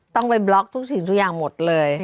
ต้องไปบล็อกทุกสิ่งทุกอย่างหมดเลย